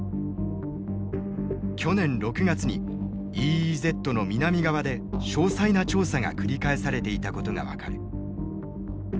去年６月にＥＥＺの南側で詳細な調査が繰り返されていたことが分かる。